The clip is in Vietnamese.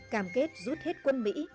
cảm kết rút hết quân mỹ